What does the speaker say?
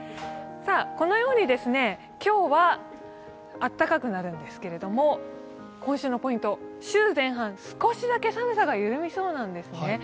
このように今日はあったかくなるんですけれども、今週のポイント、週前半、少しだけ寒さが緩みそうなんですよね。